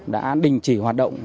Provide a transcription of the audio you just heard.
đã đình chỉ hoạt động